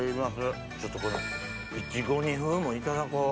ちょっとこのいちご煮風もいただこう。